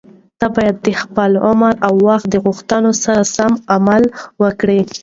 ته باید د خپل عمر او وخت د غوښتنو سره سم عمل وکړې.